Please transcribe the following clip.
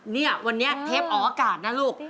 เนี่ยวันนี้เทปออกอากาศนะลูก